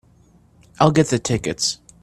I'll get the tickets.